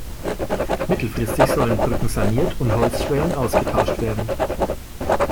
Mittelfristig sollen Brücken saniert und Holzschwellen ausgetauscht werden.